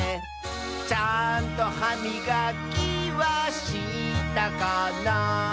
「ちゃんとはみがきはしたかな」